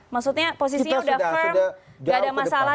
maksudnya posisinya sudah firm